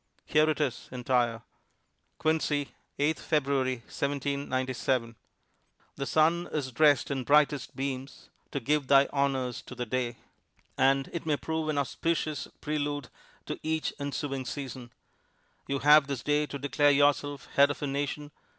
Here it is entire: Quincy, 8 February, 1797 "The sun is dressed in brightest beams, To give thy honors to the day." "And may it prove an auspicious prelude to each ensuing season. You have this day to declare yourself head of a Nation.